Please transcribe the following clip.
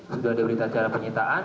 sudah ada berita acara penyitaan